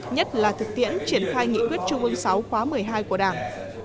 nhất là thực tiễn triển khai nghị quyết trung ương sáu khóa một mươi hai của đảng